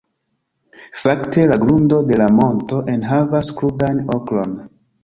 Fakte, la grundo de la monto enhavas krudan okron.